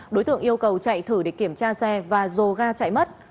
đối tượng yêu cầu chạy thử để kiểm tra xe và dồ ga chạy mất